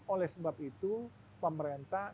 oleh sebab itu pemerintah